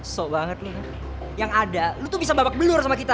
so banget nih yang ada lu tuh bisa babak belur sama kita